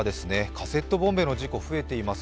カセットボンベの事故、増えています。